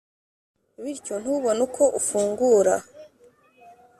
bityo ntubone uko ufungura.